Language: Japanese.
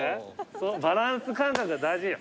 そのバランス感覚が大事。